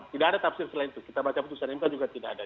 tidak ada tafsir selain itu kita baca putusan mk juga tidak ada